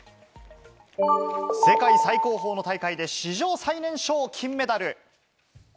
世界最高峰の大会で史上最年少金メダル！